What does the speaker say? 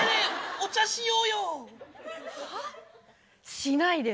お茶しよう！